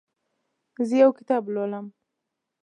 زه یو کتاب لولم.